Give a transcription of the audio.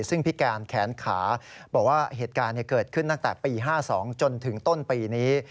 ซึ่งพิการแขนขาบอกว่าเหตุการณ์เกิดขึ้นตั้งแต่ปี๕๒จนถึงต้นปีนี้